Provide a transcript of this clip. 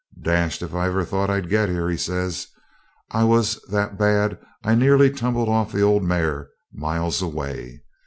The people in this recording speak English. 'Dashed if I ever thought I'd get here,' he says. 'I was that bad I nearly tumbled off the old mare miles away.